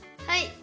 はい。